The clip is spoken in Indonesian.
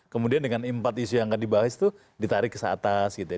kemudian dengan empat isu yang akan dibahas itu ditarik ke saatas gitu ya